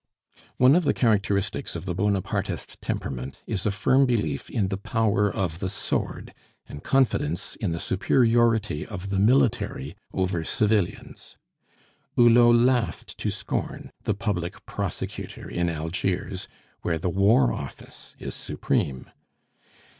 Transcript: One of the characteristics of the Bonapartist temperament is a firm belief in the power of the sword, and confidence in the superiority of the military over civilians. Hulot laughed to scorn the Public Prosecutor in Algiers, where the War Office is supreme.